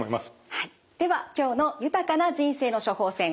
はいでは今日の「豊かな人生の処方せん」